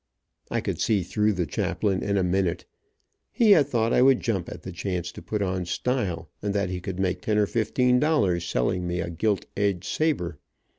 I could see through the chaplain in a minute. He had thought I would jump at the chance to put on style, and that he could make ten or fifteen dollars selling me a gilt edged saber.